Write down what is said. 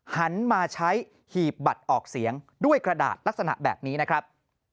หันมาใช้หีบบัตรออกเสียงด้วยกระดาษลักษณะแบบนี้นะครับ